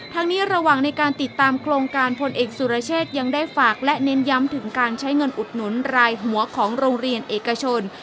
ทั้งนี้ระหว่างในการติดตามโครงการพลเอกสุรเชษยังได้ฝากและเน้นย้ำถึงการใช้เงินอุดหนุนรายหัวของโรงเรียนเอกชน